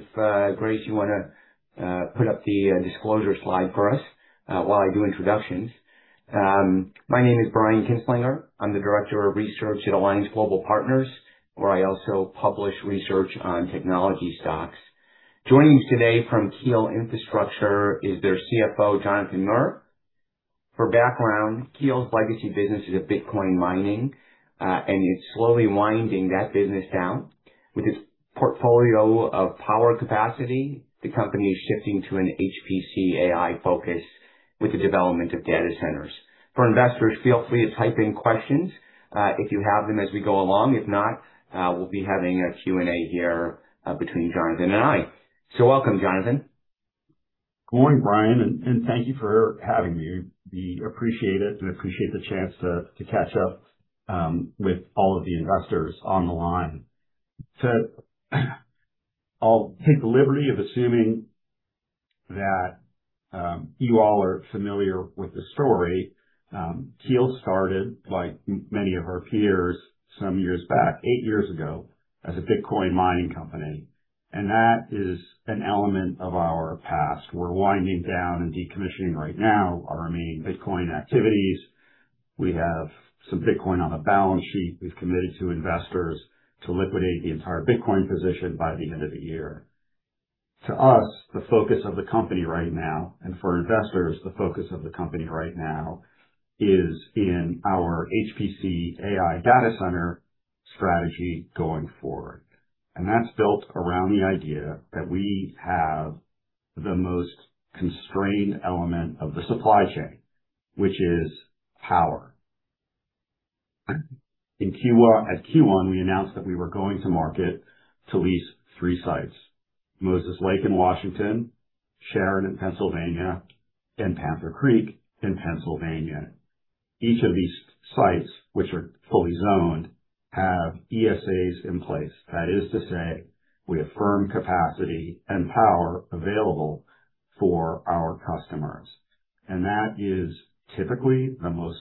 If, Grace, you want to put up the disclosure slide for us while I do introductions. My name is Brian Kinstlinger. I am the Director of Research at Alliance Global Partners, where I also publish research on technology stocks. Joining us today from Keel Infrastructure is their CFO, Jonathan Mir. For background, Keel's legacy business is Bitcoin mining, and it is slowly winding that business down. With its portfolio of power capacity, the company is shifting to an HPC/AI focus with the development of data centers. For investors, feel free to type in questions if you have them as we go along. If not, we will be having a Q&A here between Jonathan and I. Welcome, Jonathan. Good morning, Brian. Thank you for having me. We appreciate it and appreciate the chance to catch up with all of the investors on the line. I will take the liberty of assuming that you all are familiar with the story. Keel started, like many of our peers some years back, eight years ago, as a Bitcoin mining company. That is an element of our past. We are winding down and decommissioning right now our remaining Bitcoin activities. We have some Bitcoin on the balance sheet. We have committed to investors to liquidate the entire Bitcoin position by the end of the year. To us, the focus of the company right now, for investors, the focus of the company right now is in our HPC/AI data center strategy going forward. That is built around the idea that we have the most constrained element of the supply chain, which is power. At Q1, we announced that we were going to market to lease three sites, Moses Lake in Washington, Sharon in Pennsylvania, and Panther Creek in Pennsylvania. Each of these sites, which are fully zoned, have ESAs in place. That is to say, we have firm capacity and power available for our customers. That is typically the most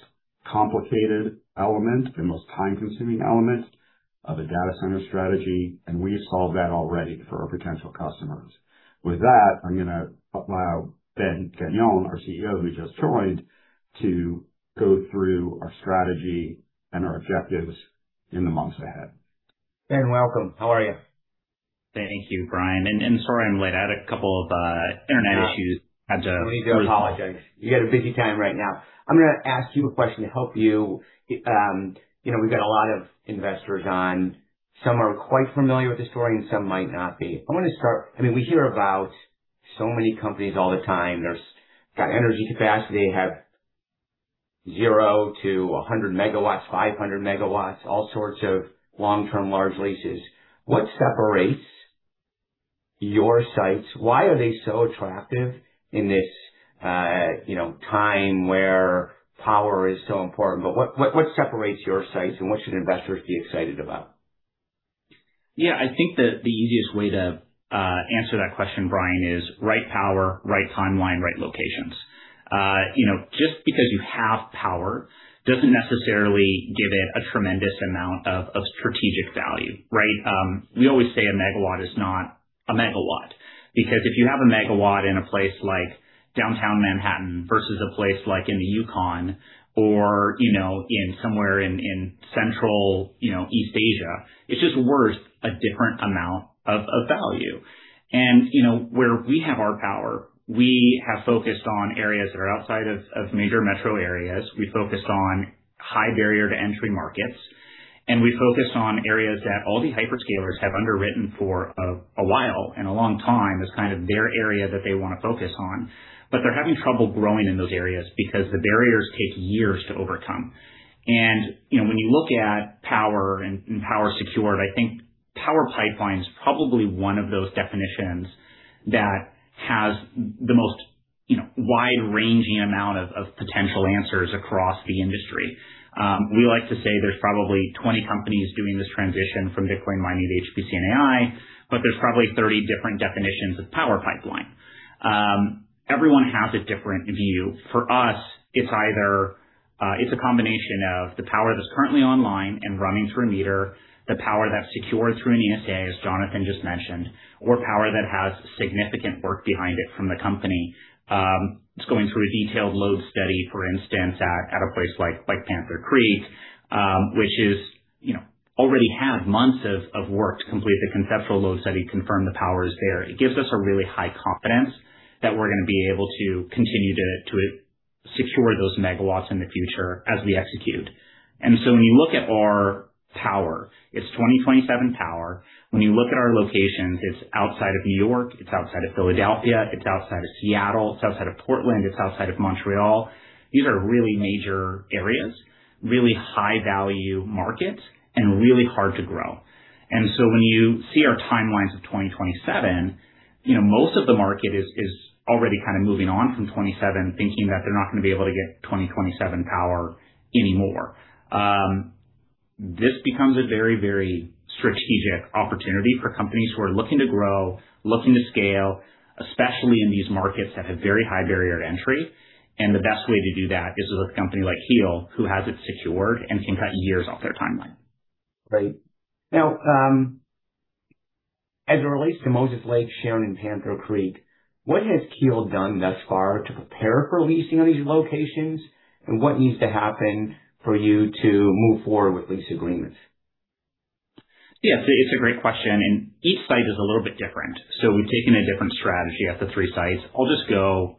complicated element, the most time-consuming element of a data center strategy. We solve that already for our potential customers. With that, I am going to allow Ben Gagnon, our CEO, who just joined, to go through our strategy and our objectives in the months ahead. Ben, welcome. How are you? Thank you, Brian, sorry I'm late. I had a couple of internet issues at the. No need to apologize. You got a busy time right now. I'm going to ask you a question to help you. We've got a lot of investors on. Some are quite familiar with the story, and some might not be. I want to start. We hear about so many companies all the time. They've got energy capacity. They have 0 - 100 MW, 500 MW, all sorts of long-term large leases. What separates your sites? Why are they so attractive in this time where power is so important? What separates your sites, and what should investors be excited about? Yeah, I think the easiest way to answer that question, Brian, is right power, right timeline, right locations. Just because you have power doesn't necessarily give it a tremendous amount of strategic value, right? We always say a MW is not a MW. Because if you have a MW in a place like downtown Manhattan versus a place like in the Yukon or in somewhere in Central East Asia, it's just worth a different amount of value. Where we have our power, we have focused on areas that are outside of major metro areas. We focus on high barrier to entry markets, and we focus on areas that all the hyperscalers have underwritten for a while and a long time as kind of their area that they want to focus on. They're having trouble growing in those areas because the barriers take years to overcome. When you look at power and power secured, I think power pipeline is probably one of those definitions that has the most wide-ranging amount of potential answers across the industry. We like to say there's probably 20 companies doing this transition from Bitcoin mining to HPC and AI, but there's probably 30 different definitions of power pipeline. Everyone has a different view. For us, it's a combination of the power that's currently online and running through a meter, the power that's secured through an ESA, as Jonathan just mentioned, or power that has significant work behind it from the company. It's going through a detailed load study, for instance, at a place like Panther Creek, which already have months of work to complete the conceptual load study, confirm the power is there. It gives us a really high confidence that we're going to be able to continue to secure those megawatts in the future as we execute. When you look at our power, it's 2027 power. When you look at our locations, it's outside of N.Y., it's outside of Philadelphia, it's outside of Seattle, it's outside of Portland, it's outside of Montreal. These are really major areas, really high-value markets, and really hard to grow. When you see our timelines of 2027, most of the market is already kind of moving on from 2027, thinking that they're not going to be able to get 2027 power anymore. This becomes a very strategic opportunity for companies who are looking to grow, looking to scale, especially in these markets that have very high barrier to entry, and the best way to do that is with a company like Keel, who has it secured and can cut years off their timeline. Great. Now, as it relates to Moses Lake, Sharon, and Panther Creek, what has Keel done thus far to prepare for leasing of these locations? What needs to happen for you to move forward with lease agreements? Yeah. It's a great question. Each site is a little bit different. We've taken a different strategy at the three sites. I'll just go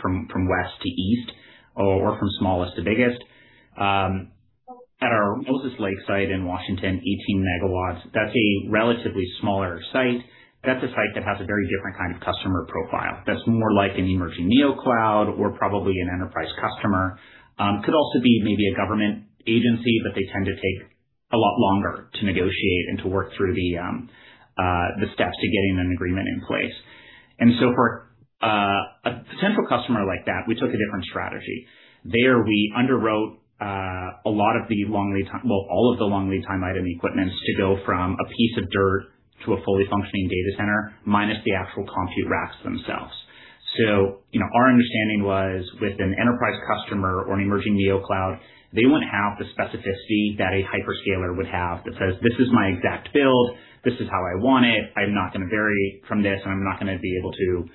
from west to east or from smallest to biggest. At our Moses Lake site in Washington, 18 mw. That's a relatively smaller site. That's a site that has a very different kind of customer profile. That's more like an emerging neocloud or probably an enterprise customer. Could also be maybe a government agency. They tend to take a lot longer to negotiate and to work through the steps to getting an agreement in place. For a potential customer like that, we took a different strategy. There, we underwrote a lot of the long lead item equipment to go from a piece of dirt to a fully functioning data center, minus the actual compute racks themselves. Our understanding was with an enterprise customer or an emerging neocloud, they wouldn't have the specificity that a hyperscaler would have that says, "This is my exact build, this is how I want it. I'm not going to vary from this, and I'm not going to be able to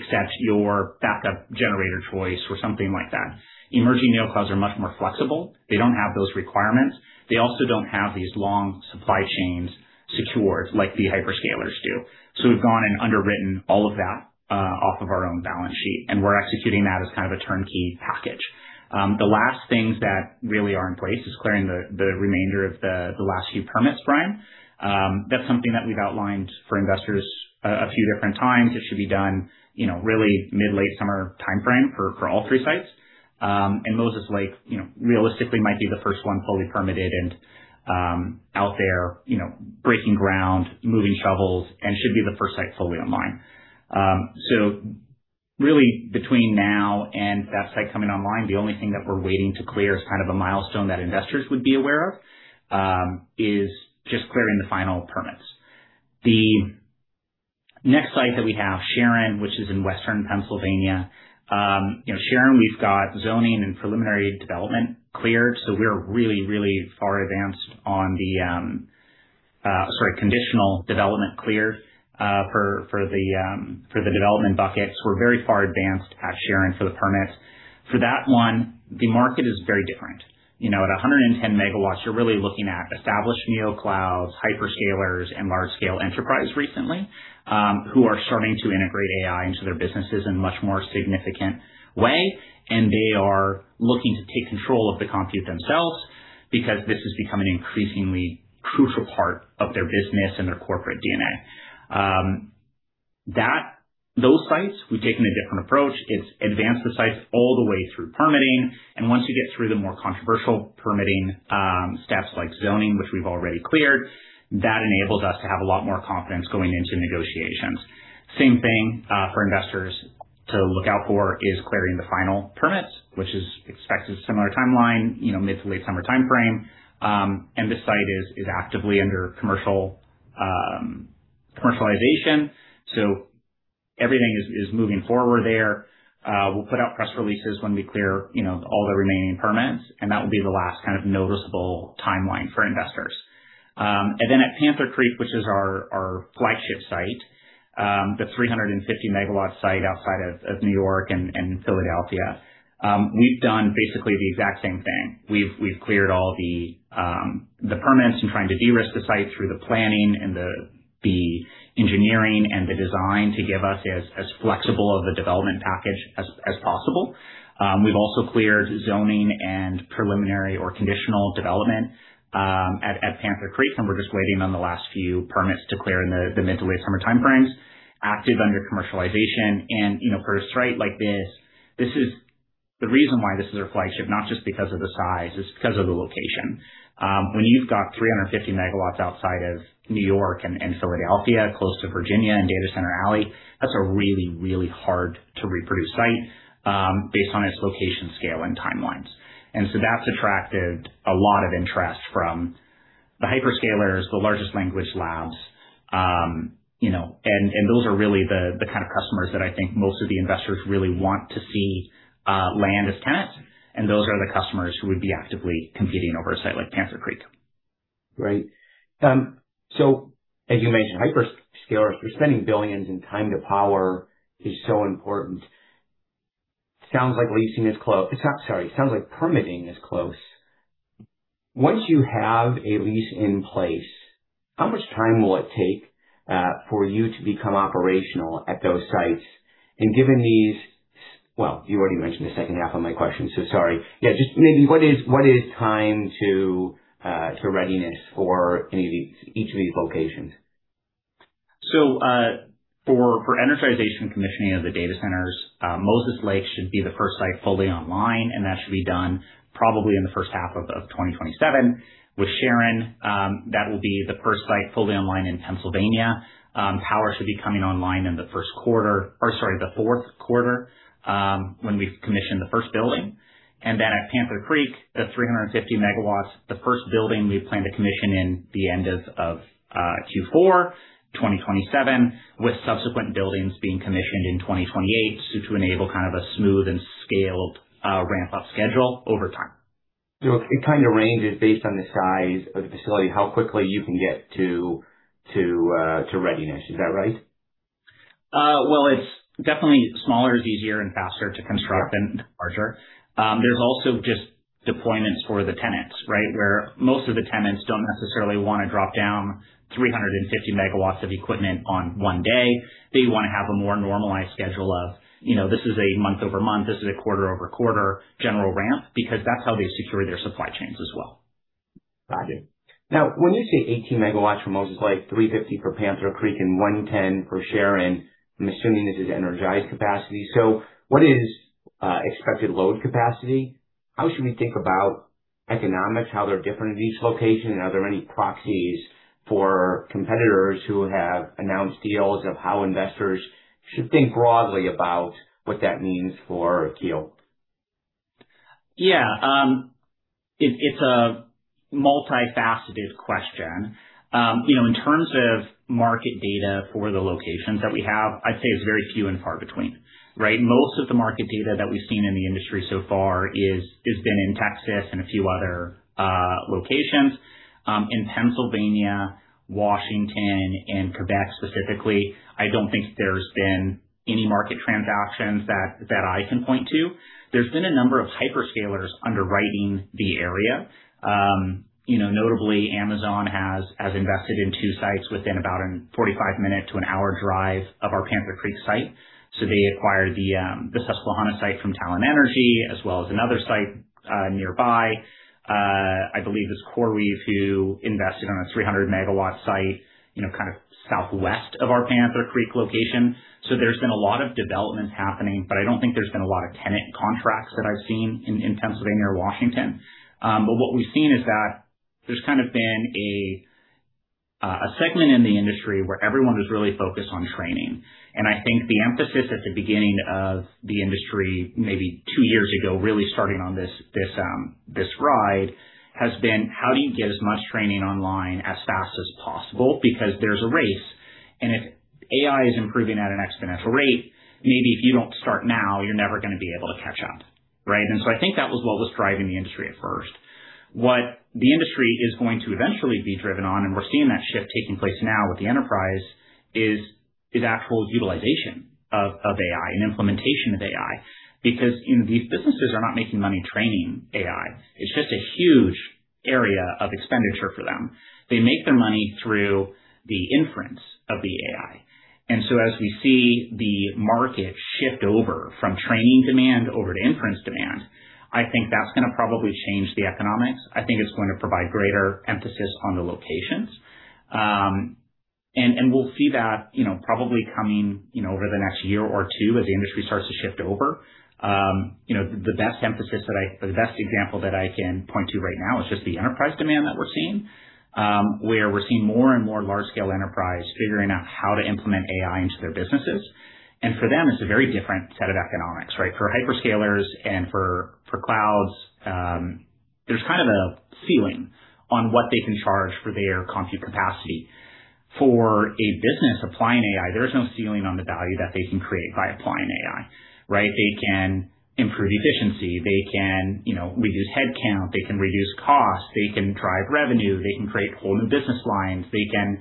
accept your backup generator choice," or something like that. Emerging neoclouds are much more flexible. They don't have those requirements. They also don't have these long supply chains secured like the hyperscalers do. We've gone and underwritten all of that off of our own balance sheet, and we're executing that as kind of a turnkey package. The last things that really are in place is clearing the remainder of the last few permits, Brian. That's something that we've outlined for investors a few different times. It should be done really mid to late summer timeframe for all three sites. Moses Lake, realistically might be the first one fully permitted and out there breaking ground, moving shovels, and should be the first site fully online. Really between now and that site coming online, the only thing that we're waiting to clear as kind of a milestone that investors would be aware of, is just clearing the final permits. The next site that we have, Sharon, which is in Western Pennsylvania. We've got zoning and preliminary development cleared. We're really far advanced on the conditional development cleared for the development buckets. We're very far advanced at Sharon for the permits. For that one, the market is very different. At 110 megawatts, you're really looking at established neoclouds, hyperscalers, and large scale enterprise recently, who are starting to integrate AI into their businesses in a much more significant way. They are looking to take control of the compute themselves because this is becoming an increasingly crucial part of their business and their corporate DNA. Those sites, we've taken a different approach. It's advanced the sites all the way through permitting, and once you get through the more controversial permitting steps like zoning, which we've already cleared, that enables us to have a lot more confidence going into negotiations. Same thing, for investors to look out for is clearing the final permits, which is expected similar timeline, mid to late summer timeframe. This site is actively under commercialization. Everything is moving forward there. We'll put out press releases when we clear all the remaining permits. That will be the last noticeable timeline for investors. At Panther Creek, which is our flagship site. The 350-megawatt site outside of New York and Philadelphia. We've done basically the exact same thing. We've cleared all the permits and trying to de-risk the site through the planning and the engineering and the design to give us as flexible of a development package as possible. We've also cleared zoning and preliminary or conditional development at Panther Creek. We're just waiting on the last few permits to clear in the mid to late summer timeframes, active under commercialization. For a site like this, the reason why this is our flagship, not just because of the size, is because of the location. When you've got 350 megawatts outside of New York and Philadelphia, close to Virginia and Data Center Alley, that's a really, really hard to reproduce site, based on its location, scale, and timelines. That's attracted a lot of interest from the hyperscalers, the largest language labs, and those are really the kind of customers that I think most of the investors really want to see land as tenants, and those are the customers who would be actively competing over a site like Panther Creek. Great. As you mentioned, hyperscalers, they're spending $ billions, time to power is so important. Sounds like permitting is close. Once you have a lease in place, how much time will it take for you to become operational at those sites? Well, you already mentioned the second half of my question, so sorry. Just maybe what is time to readiness for each of these locations? For energization commissioning of the data centers, Moses Lake should be the first site fully online, and that should be done probably in the first half of 2027. With Sharon, that will be the first site fully online in Pennsylvania. Power should be coming online in the Q4, when we commission the first building. At Panther Creek, the 350 MW, the first building we plan to commission in the end of Q4 2027, with subsequent buildings being commissioned in 2028 to enable kind of a smooth and scaled ramp-up schedule over time. It kind of ranges based on the size of the facility and how quickly you can get to readiness. Is that right? It's definitely smaller is easier and faster to construct than larger. There's also just deployments for the tenants, right? Most of the tenants don't necessarily want to drop down 350 megawatts of equipment on one day. They want to have a more normalized schedule of, this is a month-over-month, this is a quarter-over-quarter general ramp, because that's how they secure their supply chains as well. Got you. When you say 18 megawatts for Moses Lake, 350 for Panther Creek and 110 for Sharon, I'm assuming this is energized capacity. What is expected load capacity? How should we think about economics, how they're different at each location? Are there any proxies for competitors who have announced deals of how investors should think broadly about what that means for Keel? It's a multifaceted question. In terms of market data for the locations that we have, I'd say it's very few and far between, right? Most of the market data that we've seen in the industry so far has been in Texas and a few other locations. In Pennsylvania, Washington, and Quebec specifically, I don't think there's been any market transactions that I can point to. There's been a number of hyperscalers underwriting the area. Notably, Amazon has invested in two sites within about a 45-minute to an hour drive of our Panther Creek site. They acquired the Susquehanna site from Talen Energy as well as another site nearby. I believe it's CoreWeave who invested on a 300 megawatt site kind of southwest of our Panther Creek location. There's been a lot of developments happening, but I don't think there's been a lot of tenant contracts that I've seen in Pennsylvania or Washington. What we've seen is that there's kind of been a segment in the industry where everyone is really focused on training, and I think the emphasis at the beginning of the industry, maybe two years ago, really starting on this ride, has been how do you get as much training online as fast as possible? Because there's a race, and if AI is improving at an exponential rate, maybe if you don't start now, you're never going to be able to catch up. Right? I think that was what was driving the industry at first. What the industry is going to eventually be driven on, we're seeing that shift taking place now with the enterprise, is actual utilization of AI and implementation of AI. These businesses are not making money training AI. It's just a huge area of expenditure for them. They make their money through the inference of the AI. As we see the market shift over from training demand over to inference demand, I think that's going to probably change the economics. I think it's going to provide greater emphasis on the locations. We'll see that probably coming over the next year or two as the industry starts to shift over. The best example that I can point to right now is just the enterprise demand that we're seeing, where we're seeing more and more large-scale enterprise figuring out how to implement AI into their businesses. For them, it's a very different set of economics, right? For hyperscalers and for clouds, there's kind of a ceiling on what they can charge for their compute capacity. For a business applying AI, there is no ceiling on the value that they can create by applying AI. Right? They can improve efficiency. They can reduce headcount, they can reduce costs, they can drive revenue, they can create whole new business lines. They can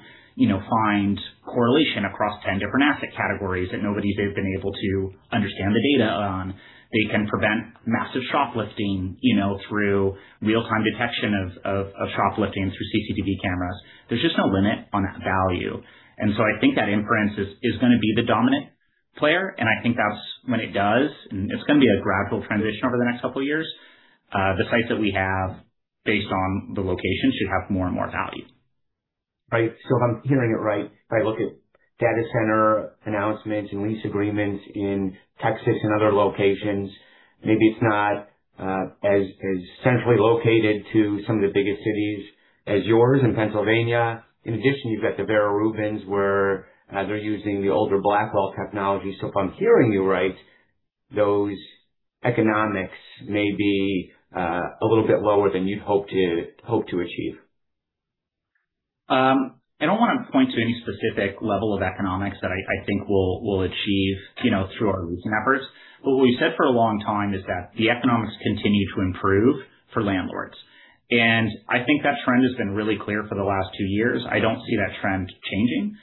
find correlation across 10 different asset categories that nobody's ever been able to understand the data on. They can prevent massive shoplifting through real-time detection of shoplifting through CCTV cameras. There's just no limit on that value. I think that inference is going to be the dominant player, and I think that's when it does, and it's going to be a gradual transition over the next couple of years, the sites that we have based on the location should have more and more value. Right. If I'm hearing it right, if I look at data center announcements and lease agreements in Texas and other locations, maybe it's not as centrally located to some of the biggest cities as yours in Pennsylvania. In addition, you've got the Vera Rubin, where they're using the older Blackwell technology. If I'm hearing you right, those economics may be a little bit lower than you'd hope to achieve. I don't want to point to any specific level of economics that I think we'll achieve through our leasing efforts. What we've said for a long time is that the economics continue to improve for landlords, and I think that trend has been really clear for the last two years. I don't see that trend changing.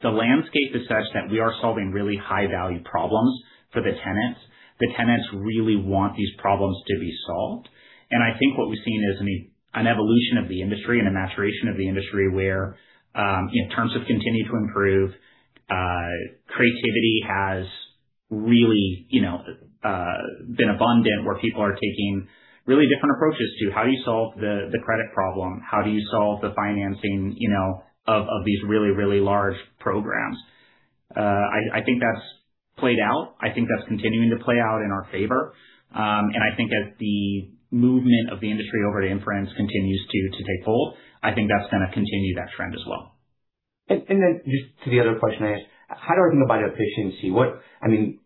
The landscape is such that we are solving really high-value problems for the tenants. The tenants really want these problems to be solved. I think what we've seen is an evolution of the industry and a maturation of the industry where terms have continued to improve. Creativity has really been abundant, where people are taking really different approaches to how do you solve the credit problem? How do you solve the financing of these really, really large programs? I think that's played out. I think that's continuing to play out in our favor. I think as the movement of the industry over to inference continues to take hold, I think that's going to continue that trend as well. Just to the other question I asked, how do I think about efficiency?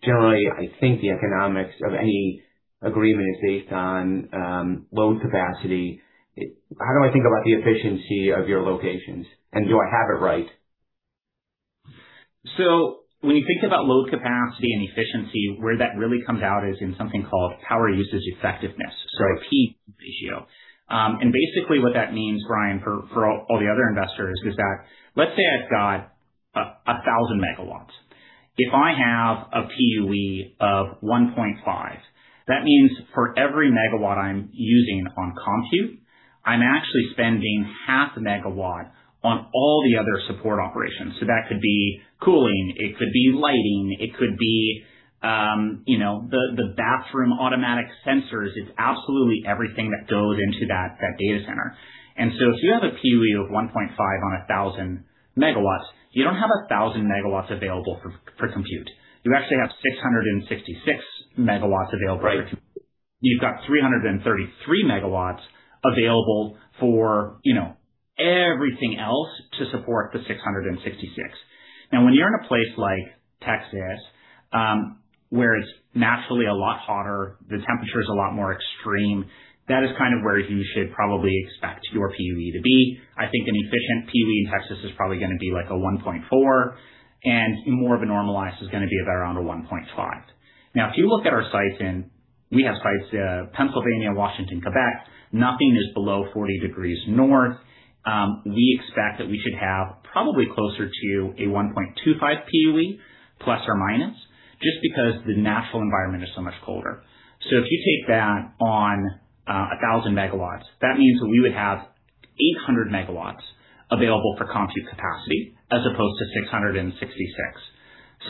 Generally, I think the economics of any agreement is based on load capacity. How do I think about the efficiency of your locations, and do I have it right? When you think about load capacity and efficiency, where that really comes out is in something called power usage effectiveness. Right. PUE. Basically what that means, Brian, for all the other investors, is that let's say I've got 1,000 megawatts. If I have a PUE of 1.5, that means for every megawatt I'm using on compute, I'm actually spending half a megawatt on all the other support operations. That could be cooling, it could be lighting, it could be the bathroom automatic sensors. It's absolutely everything that goes into that data center. If you have a PUE of 1.5 on 1,000 megawatts, you don't have 1,000 megawatts available for compute. You actually have 666 megawatts available. Right. You've got 333 megawatts available for everything else to support the 666. When you're in a place like Texas, where it's naturally a lot hotter, the temperature is a lot more extreme. That is kind of where you should probably expect your PUE to be. I think an efficient PUE in Texas is probably going to be like a 1.4, and more of a normalized is going to be around a 1.5. If you look at our sites in, we have sites, Pennsylvania, Washington, Quebec, nothing is below 40 degrees north. We expect that we should have probably closer to a 1.25 PUE, ±, just because the natural environment is so much colder. If you take that on 1,000 megawatts, that means that we would have 800 megawatts available for compute capacity as opposed to 666.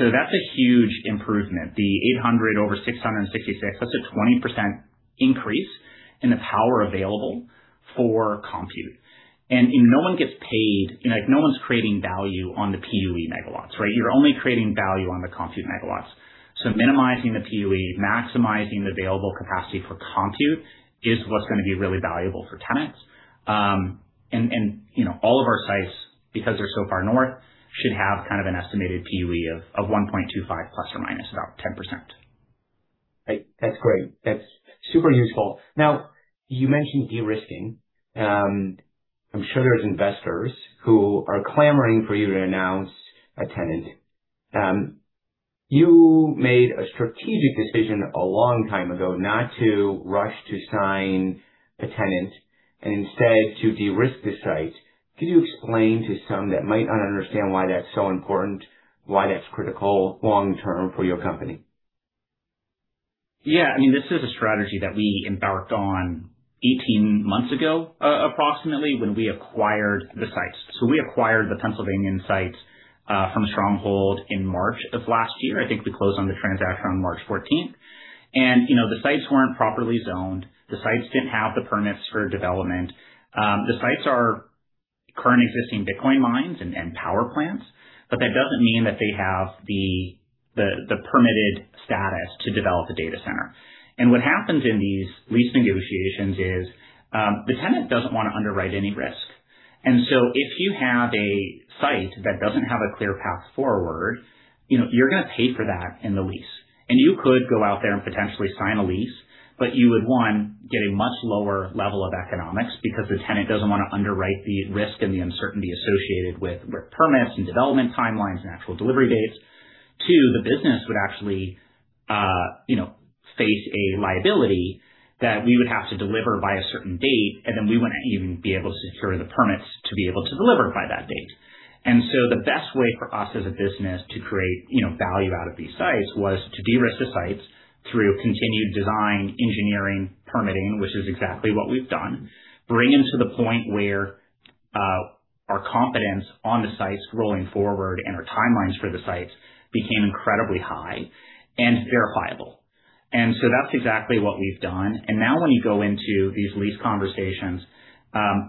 That's a huge improvement. The 800 over 666, that's a 20% increase in the power available for compute. No one's creating value on the PUE megawatts, right? You're only creating value on the compute megawatts. Minimizing the PUE, maximizing the available capacity for compute is what's going to be really valuable for tenants. All of our sites, because they're so far north, should have kind of an estimated PUE of 1.25 ± 10%. That's great. That's super useful. You mentioned de-risking. I'm sure there's investors who are clamoring for you to announce a tenant. You made a strategic decision a long time ago not to rush to sign a tenant and instead to de-risk the site. Could you explain to some that might not understand why that's so important, why that's critical long-term for your company? Yeah. This is a strategy that we embarked on 18 months ago, approximately when we acquired the sites. We acquired the Pennsylvania sites from Stronghold in March of last year. I think we closed on the transaction on March 14th. The sites weren't properly zoned. The sites didn't have the permits for development. The sites are current existing Bitcoin mines and power plants. That doesn't mean that they have the permitted status to develop a data center. What happens in these leasing negotiations is, the tenant doesn't want to underwrite any risk. If you have a site that doesn't have a clear path forward, you're going to pay for that in the lease. You could go out there and potentially sign a lease, but you would, one, get a much lower level of economics because the tenant doesn't want to underwrite the risk and the uncertainty associated with permits and development timelines and actual delivery dates. Two, the business would actually face a liability that we would have to deliver by a certain date, then we wouldn't even be able to secure the permits to be able to deliver by that date. The best way for us as a business to create value out of these sites was to de-risk the sites through continued design, engineering, permitting, which is exactly what we've done, bring them to the point where our confidence on the sites rolling forward and our timelines for the sites became incredibly high and verifiable. That's exactly what we've done. Now when you go into these lease conversations,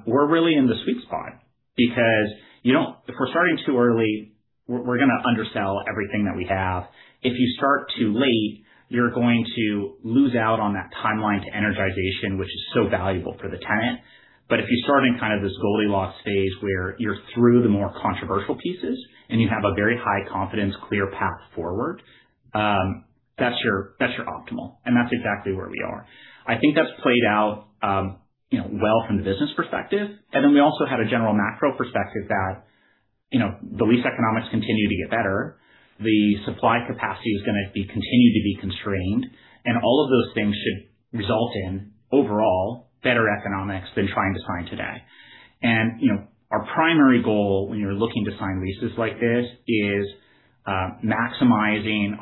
we're really in the sweet spot because if we're starting too early, we're going to undersell everything that we have. If you start too late, you're going to lose out on that timeline to energization, which is so valuable for the tenant. If you start in kind of this Goldilocks phase where you're through the more controversial pieces and you have a very high confidence clear path forward, that's your optimal, and that's exactly where we are. I think that's played out well from the business perspective. Then we also had a general macro perspective that the lease economics continue to get better. The supply capacity is going to continue to be constrained, and all of those things should result in overall better economics than trying to sign today. Our primary goal when you're looking to sign leases like this is maximizing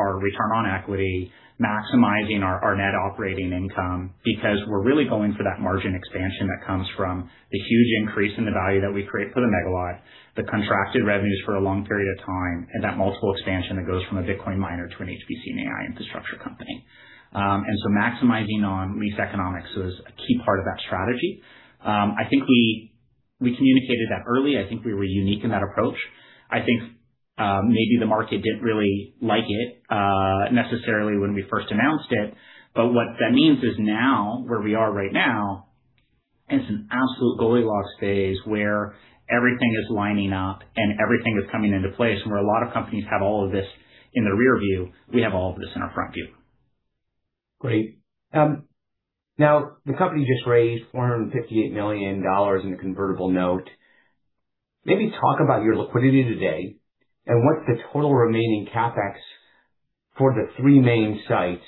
our return on equity, maximizing our net operating income, because we're really going for that margin expansion that comes from the huge increase in the value that we create for the megawatt, the contracted revenues for a long period of time, and that multiple expansion that goes from a Bitcoin miner to an HPC and AI infrastructure company. Maximizing on lease economics was a key part of that strategy. I think we communicated that early. I think we were unique in that approach. Maybe the market didn't really like it necessarily when we first announced it. What that means is now, where we are right now, is an absolute Goldilocks phase where everything is lining up and everything is coming into place. Where a lot of companies have all of this in the rearview, we have all of this in our front view. Great. The company just raised $458 million in a convertible note. Maybe talk about your liquidity today and what's the total remaining CapEx for the three main sites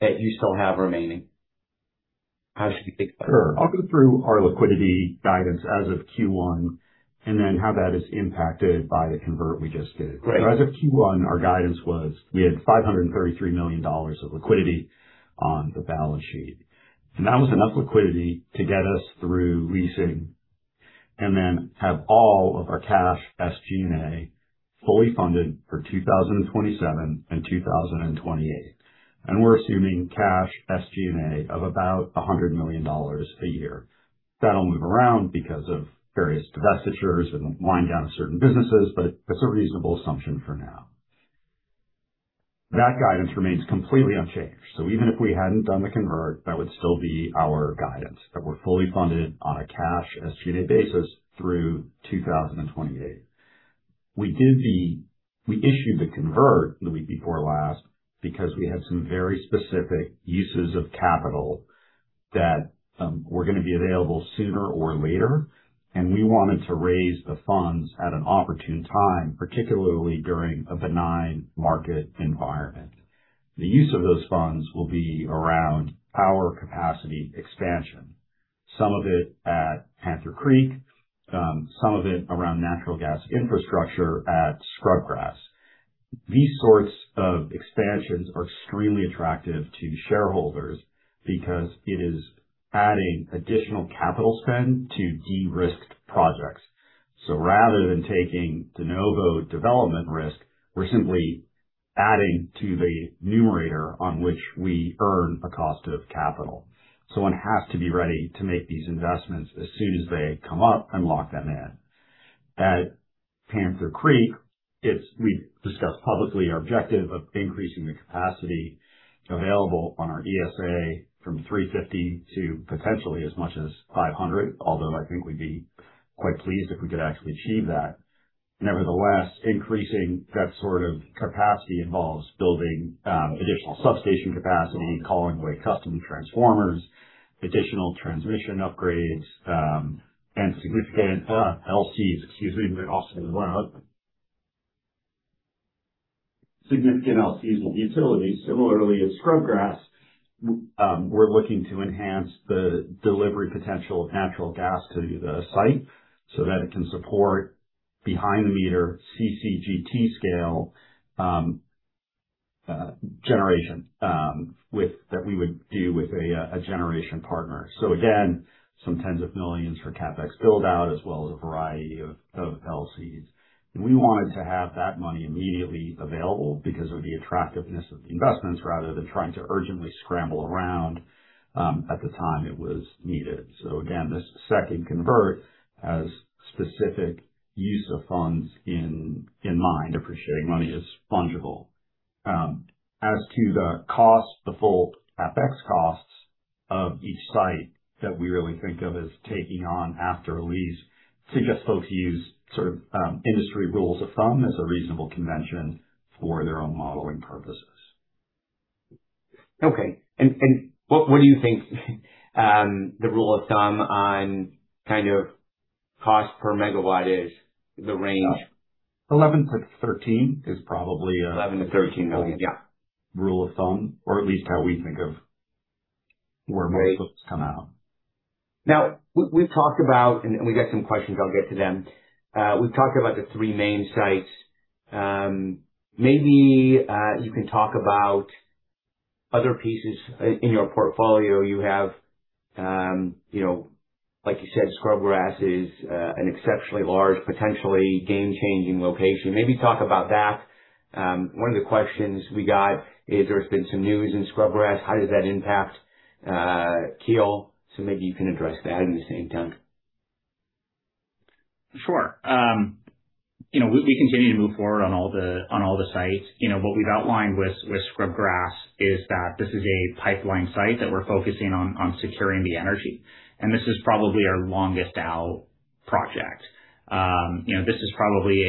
that you still have remaining? How should we think about that? I'll go through our liquidity guidance as of Q1, and then how that is impacted by the convert we just did. Great. As of Q1, our guidance was we had $533 million of liquidity on the balance sheet, and that was enough liquidity to get us through leasing and then have all of our cash SG&A fully funded for 2027 and 2028. We're assuming cash SG&A of about $100 million a year. That'll move around because of various divestitures and winding down certain businesses, but it's a reasonable assumption for now. That guidance remains completely unchanged. Even if we hadn't done the convert, that would still be our guidance, that we're fully funded on a cash SG&A basis through 2028. We issued the convert the week before last because we had some very specific uses of capital that were going to be available sooner or later, and we wanted to raise the funds at an opportune time, particularly during a benign market environment. The use of those funds will be around power capacity expansion, some of it at Panther Creek, some of it around natural gas infrastructure at Scrubgrass. These sorts of expansions are extremely attractive to shareholders because it is adding additional capital spend to de-risked projects. Rather than taking de novo development risk, we're simply adding to the numerator on which we earn a cost of capital. One has to be ready to make these investments as soon as they come up and lock them in. At Panther Creek, we've discussed publicly our objective of increasing the capacity available on our ESA from 350 to potentially as much as 500, although I think we'd be quite pleased if we could actually achieve that. Nevertheless, increasing that sort of capacity involves building additional substation capacity, calling away custom transformers, additional transmission upgrades and significant LCs with utilities. Similarly, at Scrubgrass, we're looking to enhance the delivery potential of natural gas to the site so that it can support behind-the-meter CCGT scale generation that we would do with a generation partner. Again, some tens of millions for CapEx build-out, as well as a variety of LCs. We wanted to have that money immediately available because of the attractiveness of the investments rather than trying to urgently scramble around at the time it was needed. Again, this second convert has specific use of funds in mind, appreciating money is fungible. As to the cost, the full FX costs of each site that we really think of as taking on after a lease, suggest folks use industry rules of thumb as a reasonable convention for their own modeling purposes. Okay. What do you think the rule of thumb on cost per megawatt is, the range? 11 - 13 is probably. $11 million-$13 million. Yeah. Rule of thumb, or at least how we think of where most folks come out. We got some questions, I'll get to them. We've talked about the three main sites. Maybe you can talk about other pieces in your portfolio. You said, Scrubgrass is an exceptionally large, potentially game-changing location. Maybe talk about that. One of the questions we got is there's been some news in Scrubgrass. How does that impact Keel? Maybe you can address that at the same time. Sure. We continue to move forward on all the sites. What we've outlined with Scrubgrass is that this is a pipeline site that we're focusing on securing the energy, and this is probably our longest out project. This is probably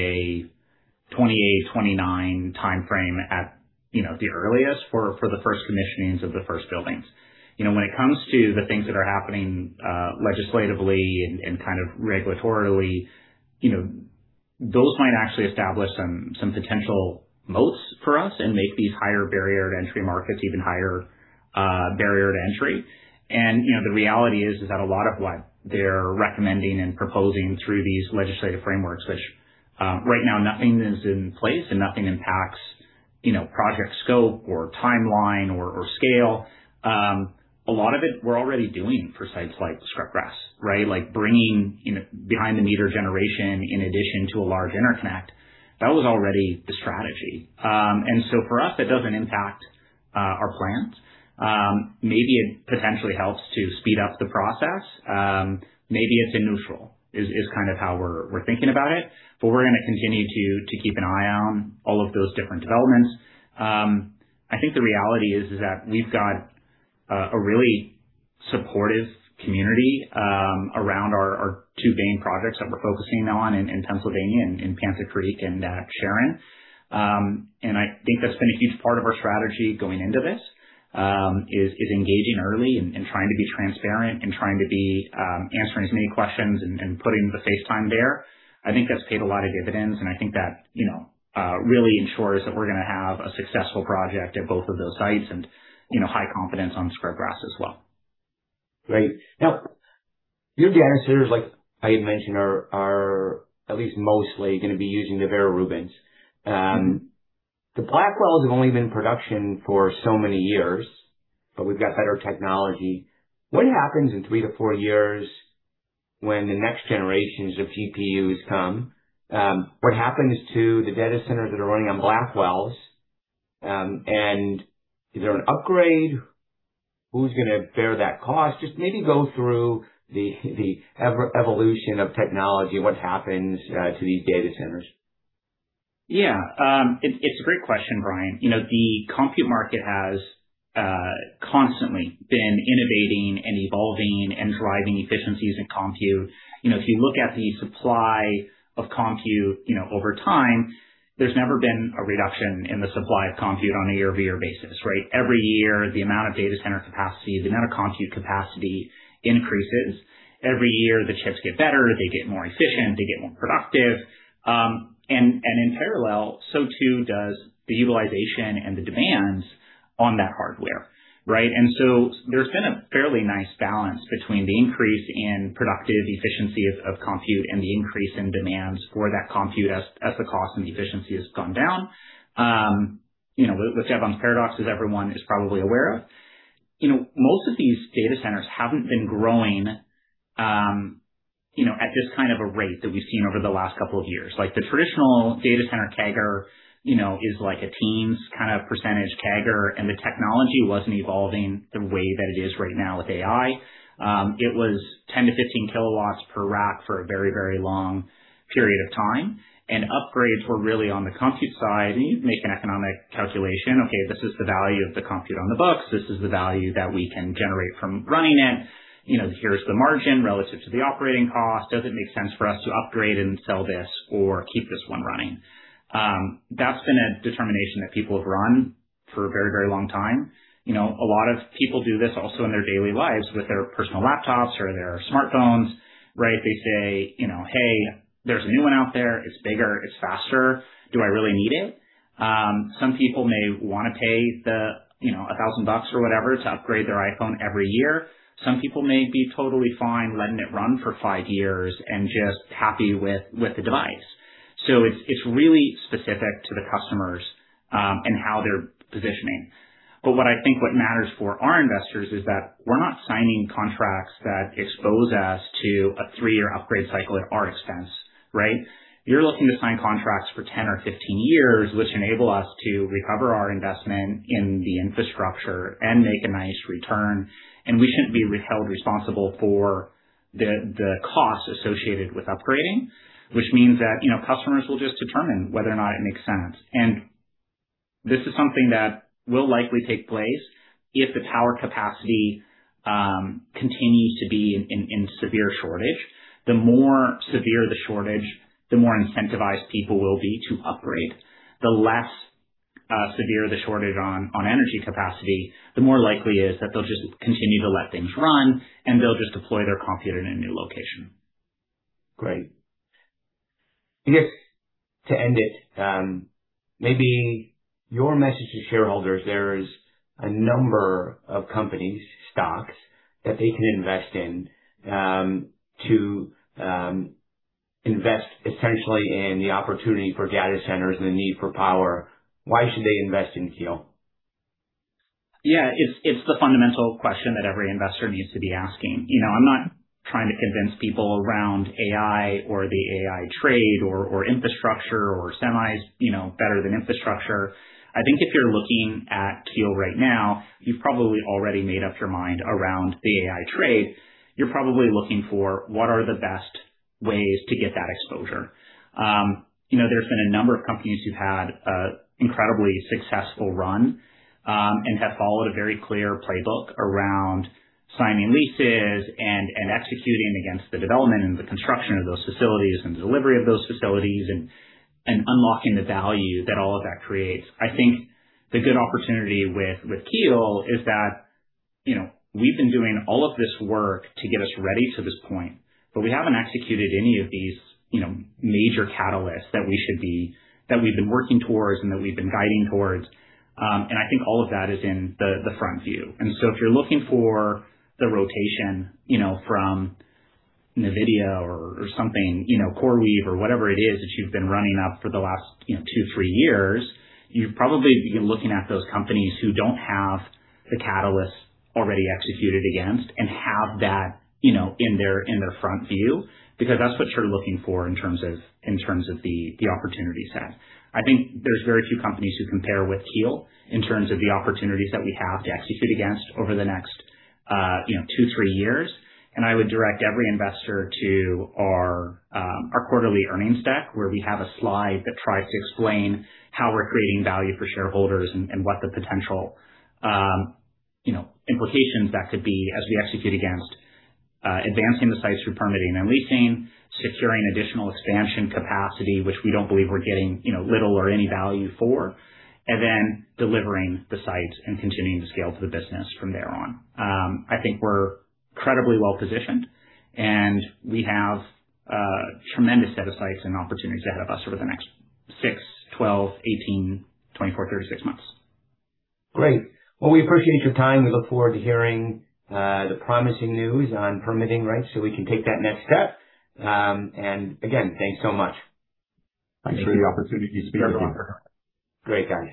a 28, 29 timeframe at the earliest for the first commissionings of the first buildings. When it comes to the things that are happening legislatively and kind of regulatorily, those might actually establish some potential moats for us and make these higher barrier to entry markets even higher barrier to entry. The reality is that a lot of what they're recommending and proposing through these legislative frameworks, which right now nothing is in place and nothing impacts project scope or timeline or scale. A lot of it we're already doing for sites like Scrubgrass, right? Bringing behind-the-meter generation in addition to a large interconnect, that was already the strategy. For us, that doesn't impact our plans. Maybe it potentially helps to speed up the process. Maybe it's a neutral, is kind of how we're thinking about it, but we're going to continue to keep an eye on all of those different developments. I think the reality is that we've got a really supportive community around our two main projects that we're focusing on in Pennsylvania, in Panther Creek and Sharon. I think that's been a huge part of our strategy going into this, is engaging early and trying to be transparent and trying to be answering as many questions and putting the face time there. I think that's paid a lot of dividends, and I think that really ensures that we're going to have a successful project at both of those sites and high confidence on Scrubgrass as well. Great. Now, your data centers, like I had mentioned, are at least mostly going to be using the Vera Rubins. The Blackwells have only been in production for so many years, but we've got better technology. What happens in three - four years when the next generations of GPUs come? What happens to the data centers that are running on Blackwells, and is there an upgrade? Who's going to bear that cost? Just maybe go through the evolution of technology, what happens to these data centers. Yeah. It's a great question, Brian. The compute market has constantly been innovating and evolving and driving efficiencies in compute. If you look at the supply of compute over time, there's never been a reduction in the supply of compute on a year-over-year basis, right? Every year, the amount of data center capacity, the amount of compute capacity increases. Every year, the chips get better, they get more efficient, they get more productive. In parallel, so too does the utilization and the demands on that hardware. Right? There's been a fairly nice balance between the increase in productivity, efficiency of compute, and the increase in demands for that compute as the cost and the efficiency has gone down. The Jevons paradox, as everyone is probably aware of. Most of these data centers haven't been growing at this kind of a rate that we've seen over the last couple of years. Like, the traditional data center CAGR is like a teens kind of % CAGR. The technology wasn't evolving the way that it is right now with AI. It was 10 - 15 kilowatts per rack for a very, very long period of time, and upgrades were really on the compute side, and you make an economic calculation. Okay, this is the value of the compute on the books. This is the value that we can generate from running it. Here's the margin relative to the operating cost. Does it make sense for us to upgrade and sell this or keep this one running? That's been a determination that people have run for a very, very long time. A lot of people do this also in their daily lives with their personal laptops or their smartphones, right? They say, "Hey, there's a new one out there. It's bigger, it's faster. Do I really need it?" Some people may want to pay the $1,000 bucks or whatever to upgrade their iPhone every year. Some people may be totally fine letting it run for five years and just happy with the device. It's really specific to the customers, and how they're positioning. What I think what matters for our investors is that we're not signing contracts that expose us to a three-year upgrade cycle at our expense, right? You're looking to sign contracts for 10 or 15 years, which enable us to recover our investment in the infrastructure and make a nice return. We shouldn't be held responsible for the cost associated with upgrading, which means that customers will just determine whether or not it makes sense. This is something that will likely take place if the power capacity continues to be in severe shortage. The more severe the shortage, the more incentivized people will be to upgrade. The less severe the shortage on energy capacity, the more likely it is that they'll just continue to let things run, and they'll just deploy their compute in a new location. Great. I guess to end it, maybe your message to shareholders, there is a number of companies, stocks, that they can invest in, to invest essentially in the opportunity for data centers and the need for power. Why should they invest in Keel? Yeah. It's the fundamental question that every investor needs to be asking. I'm not trying to convince people around AI or the AI trade or infrastructure or semis better than infrastructure. I think if you're looking at Keel right now, you've probably already made up your mind around the AI trade. You're probably looking for what are the best ways to get that exposure. There's been a number of companies who've had incredibly successful run, and have followed a very clear playbook around signing leases and executing against the development and the construction of those facilities and the delivery of those facilities and unlocking the value that all of that creates. I think the good opportunity with Keel is that we've been doing all of this work to get us ready to this point, but we haven't executed any of these major catalysts that we've been working towards and that we've been guiding towards. I think all of that is in the front view. If you're looking for the rotation from Nvidia or something, CoreWeave or whatever it is that you've been running up for the last two, three years, you're probably looking at those companies who don't have the catalyst already executed against and have that in their front view. Because that's what you're looking for in terms of the opportunity set. I think there's very few companies who compare with Keel in terms of the opportunities that we have to execute against over the next two, three years. I would direct every investor to our quarterly earnings deck, where we have a slide that tries to explain how we're creating value for shareholders and what the potential implications that could be as we execute against advancing the sites through permitting and leasing, securing additional expansion capacity, which we don't believe we're getting little or any value for, and then delivering the sites and continuing to scale to the business from there on. I think we're incredibly well-positioned, and we have a tremendous set of sites and opportunities ahead of us over the next six, 12, 18, 24, 36 months. Great. Well, we appreciate your time. We look forward to hearing the promising news on permitting, right? We can take that next step. Again, thanks so much. Thanks for the opportunity to speak with you. Great, guys.